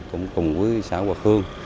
cũng cùng với xã hòa khương